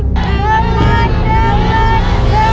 เท่าไรเท่าไรเท่าไร